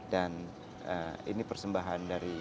dan ini persembahan dari